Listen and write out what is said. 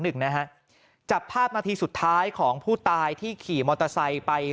หนึ่งนะฮะจับภาพนาทีสุดท้ายของผู้ตายที่ขี่มอเตอร์ไซค์ไป